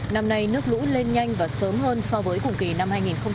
năm nay nước lũ lên nhanh và sớm hơn so với cùng kỳ năm hai nghìn một mươi tám